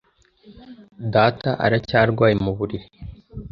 Data aracyarwaye mu buriri.